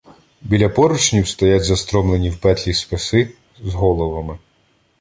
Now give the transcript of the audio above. Біля поручнів стоять застромлені в петлі списи з головами.